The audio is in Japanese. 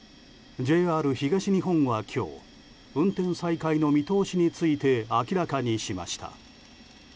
ＪＲ東日本は今日運転再開の見通しについて明らかにしました。